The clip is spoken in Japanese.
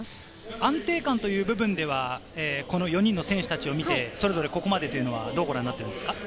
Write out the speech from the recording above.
安定感という部分では４人の選手たちを見て、それぞれここまではどうご覧になりますか？